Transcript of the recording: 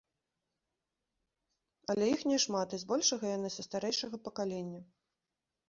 Але іх няшмат, і збольшага яны са старэйшага пакалення.